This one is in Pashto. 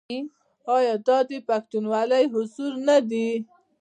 آیا دا د پښتونولۍ اصول نه دي؟